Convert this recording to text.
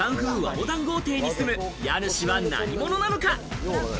モダン豪邸に住む家主は何者なのか？